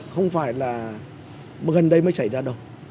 không phải là gần đây mới xảy ra đâu